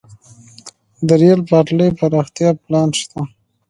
د ریل پټلۍ پراختیا پلان شته